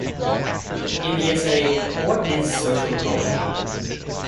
In the essay What Is Social Ecology?